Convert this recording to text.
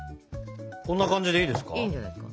こんな感じでいいですか？